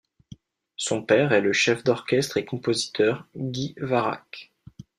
Son père est le chef d'orchestre et compositeur Guy Warrack.